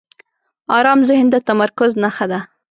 آرام ذهن د تمرکز نښه ده.